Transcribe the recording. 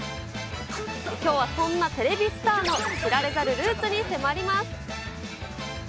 きょうはそんなテレビスターの知られざるルーツに迫ります。